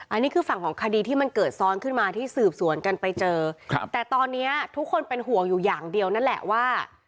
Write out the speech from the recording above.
อันนี้คือฝั่งของคดีที่มันเกิดซ้อนขึ้นมาที่สืบสวนกันไปเจอครับแต่ตอนนี้ทุกคนเป็นห่วงอยู่อย่างเดียวนั่นแหละว่า